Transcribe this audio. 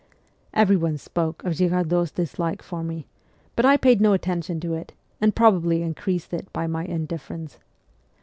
Everyone spoke of Girardot's dislike for me ; but I paid no attention to it, and probably increased it by my indifference.